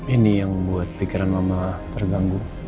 ini yang buat pikiran mama terganggu